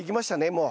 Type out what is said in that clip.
もう。